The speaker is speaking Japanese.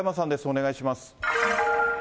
お願いします。